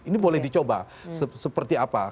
ini boleh dicoba seperti apa